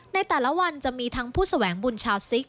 ในแต่ละวันจะมีทั้งผู้แสวงบุญชาวซิก